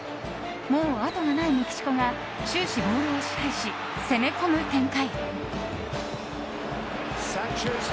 もう後がないメキシコが終始ボールを支配し攻め込む展開。